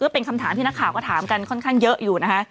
เป็นคำถามที่นักข่าวก็ถามกันค่อนข้างเยอะอยู่นะคะ